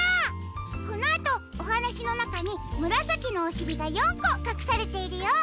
このあとおはなしのなかにむらさきのおしりが４こかくされているよ。